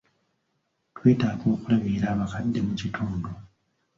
Twetaaga okulabirira abakadde mu kitundu.